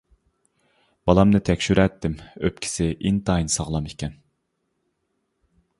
بالامنى تەكشۈرەتتىم، ئۆپكىسى ئىنتايىن ساغلام ئىكەن.